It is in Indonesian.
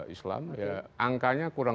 islam ya angkanya kurang